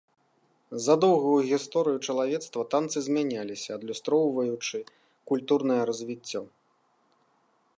За доўгую гісторыю чалавецтва танцы змяняліся, адлюстроўваючы культурнае развіццё.